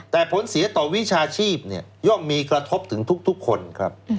แต่ผลเสียต่อวิชาชีพย่อมมีกระทบถึงทุกคนครับ